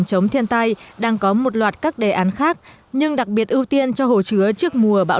chống thiên tai đang có một loạt các đề án khác nhưng đặc biệt ưu tiên cho hồ chứa trước mùa bão